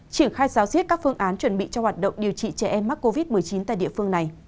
triển khai giáo diết các phương án chuẩn bị cho hoạt động điều trị trẻ em mắc covid một mươi chín tại địa phương này